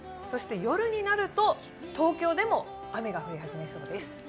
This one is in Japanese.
そして夜になると東京でも雨が降り始めそうです。